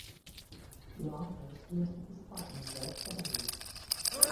Longhurst lives with his partner Des Kennedy.